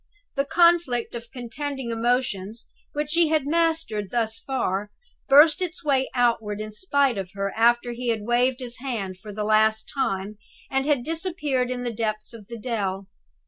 The conflict of contending emotions, which she had mastered thus far, burst its way outward in spite of her after he had waved his hand for the last time, and had disappeared in the depths of the dell.